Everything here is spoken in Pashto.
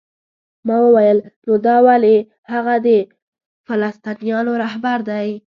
ما وویل: نو دا ولې؟ هغه د فلسطینیانو رهبر دی؟